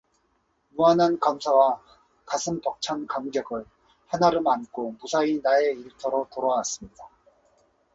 무한한 감사와 가슴 벅찬 감격을 한아름 안고 무사히 나의 일터로 돌아왔습니다.